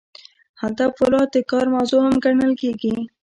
هلته فولاد د کار موضوع هم ګڼل کیږي.